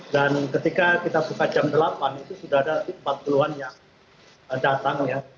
dan ketika kita buka jam delapan itu sudah ada empat puluh an yang datang ya